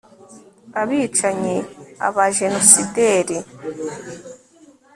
abicanyi, abajenosideri